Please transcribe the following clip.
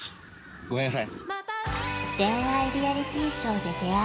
ごめんなさい